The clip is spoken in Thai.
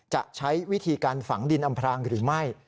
จะใช้วิธีการฝังดินอำพรางหรือไม่